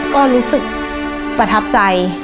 ก็รู้สึกประทับใจ